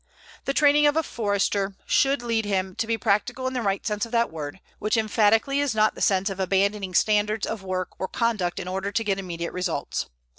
The training of a Forester should lead him to be practical in the right sense of that word, which emphatically is not the sense of abandoning standards of work or conduct in order to get immediate results.